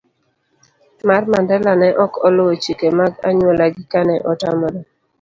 C. mar Mandela ne ok oluwo chike mag anyuolagi kane otamore